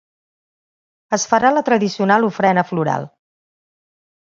Es farà la tradicional ofrena floral.